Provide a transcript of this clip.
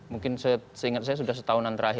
mungkin seingat saya sudah setahunan terakhir